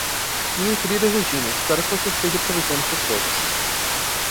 Minha querida Regina, espero que você esteja aproveitando suas férias.